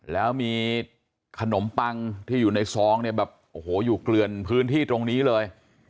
แล้วมีขนมปังที่อยู่ในซองเนี่ยแบบโอ้โหอยู่เกลือนพื้นที่ตรงนี้เลย